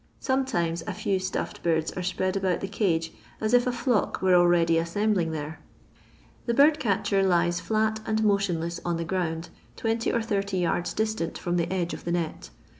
Sometimes a few stuffed birds are spread about the cage as if a flock were already assembling there. The bird catcher lies flat and motionless on the ground, 20 or 30 yards distant from the edge of the net.